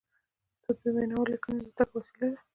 استاد د بينوا ليکني د زده کړي وسیله ده.